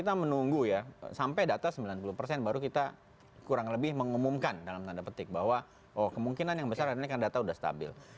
terima kasih pak bung kondi